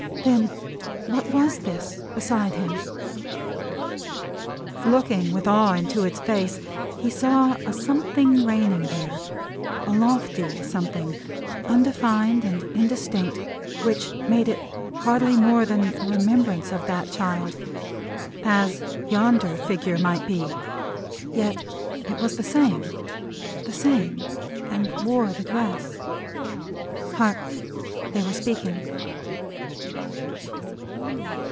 Then what was this, beside him? Looking with awe into its face, he saw a something reigning there: a lofty something, undefined and indistinct, which made it hardly more than a remembrance of that child as yonder figure might be yet it was the same: the same: and wore the dress. Hark! They were speaking!